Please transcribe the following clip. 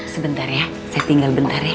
sebentar ya saya tinggal bentar ya